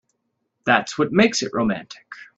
That's what makes it romantic.